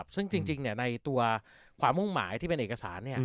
ซึ่งจริงในตัวความมุ่งหมายที่เป็นเอกสาร